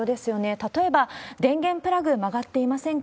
例えば、電源プラグ曲がっていませんか？